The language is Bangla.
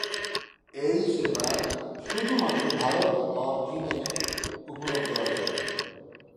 এই সেবা শুধুমাত্র ভারত অর চিনে উপলব্ধ আছে।